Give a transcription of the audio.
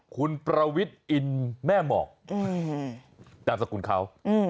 คุณประวิทย์อินแม่หมอกนามสกุลเขา